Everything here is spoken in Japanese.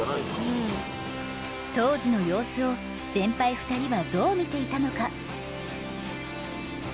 当時の様子を先輩２人はどう見ていたのか？